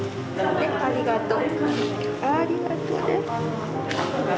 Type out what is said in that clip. はいありがとう。